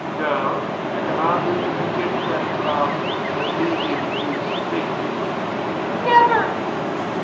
Girl, I command thee to forget that love, and leave him to his fate! Zara. Never!